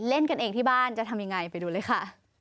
เล่นกันเองที่บ้านจะทำยังไงไปดูเลยค่ะ